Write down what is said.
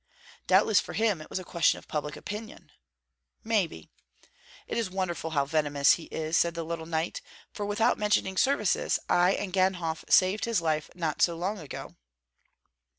"Doubtless for him it was a question of public opinion." "Maybe." "It is wonderful how venomous he is," said the little knight; "for without mentioning services, I and Ganhof saved his life not so long ago."